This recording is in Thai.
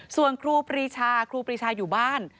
ส่วนครูปรีชาครูปรีชาอยู่บ้าน